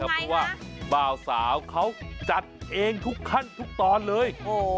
เพราะว่าบ่าวสาวเขาจัดเองทุกขั้นทุกตอนเลย